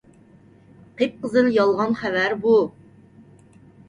قىپقىزىل يالغان خەۋەر بۇ!